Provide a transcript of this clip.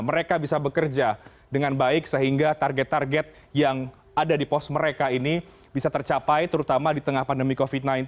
mereka bisa bekerja dengan baik sehingga target target yang ada di pos mereka ini bisa tercapai terutama di tengah pandemi covid sembilan belas